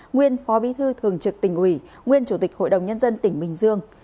nguyên phó bí thư thường trực tỉnh ủy nguyên chủ tịch hội đồng nhân dân tỉnh bình dương